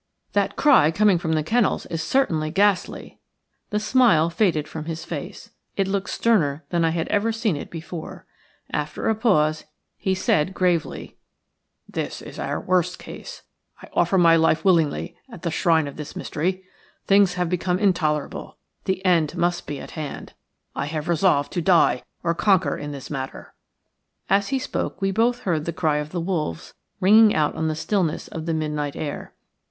"That cry coming from the kennels is certainly ghastly." The smile faded from his face; it looked sterner than I had ever seen it before. After a pause he said, gravely:– "THE SMILE FADED FROM HIS FACE; IT LOOKED STERNER THAN I HAD EVER SEEN IT BEFORE." "This is our worst case. I offer my life willingly at the shrine of this mystery. Things have become intolerable; the end must be at hand. I have resolved to die or conquer in this matter." As he spoke we both heard the cry of the wolves ringing out on the stillness of the midnight air.